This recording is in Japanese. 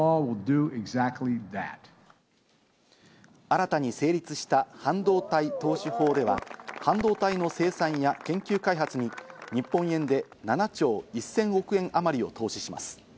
新たに成立した半導体投資法では、半導体の生産や研究開発に日本円で７兆１０００億円あまりを投資します。